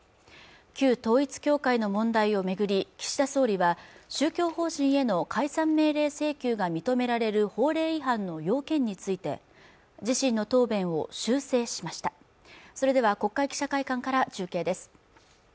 旧統一教会の問題を巡り岸田総理は宗教法人への解散命令請求が認められる法令違反の要件について自身の答弁を修正しましたそれでは国会記者会館から中継です